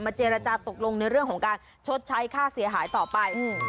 เจรจาตกลงในเรื่องของการชดใช้ค่าเสียหายต่อไป